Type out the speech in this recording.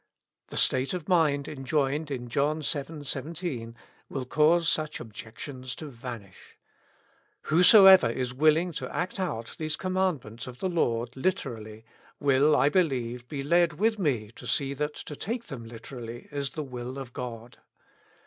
The state of mind enjoined in John vii. 17 will cause such objections to vanish. Whosoever is willing TO ACT OUT these commandments of the Lord literally, will, 1 believe, be led with me to see that to take them literally is the will of God.